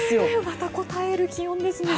またこたえる気温ですね。